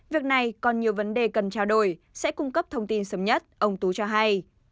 việc này còn nhiều vấn đề cần trao đổi sẽ cung cấp thông tin sớm nhất ông tú cho hay